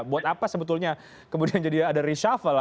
buat apa sebetulnya kemudian jadi ada reshuffle